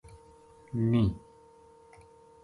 نیہہ